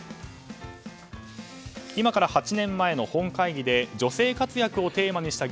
今から８年前の本会議で女性活躍をテーマにした